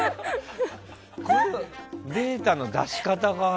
データの出し方が。